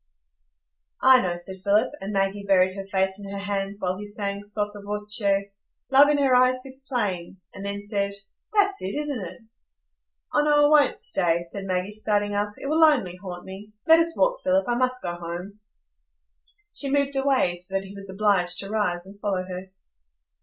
"I know," said Philip; and Maggie buried her face in her hands while he sang sotto voce, "Love in her eyes sits playing," and then said, "That's it, isn't it?" "Oh no, I won't stay," said Maggie, starting up. "It will only haunt me. Let us walk, Philip. I must go home." She moved away, so that he was obliged to rise and follow her.